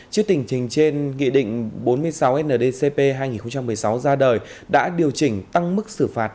trước tình trình trên nghị định bốn mươi sáu ndcp hai nghìn một mươi sáu ra đời đã điều chỉnh tăng mức xử phạt